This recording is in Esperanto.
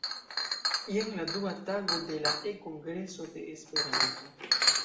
Jen la dua tago de la E-kongreso de Esperanto.